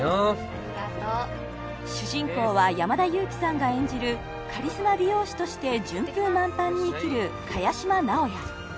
ありがとう主人公は山田裕貴さんが演じるカリスマ美容師として順風満帆に生きる萱島直哉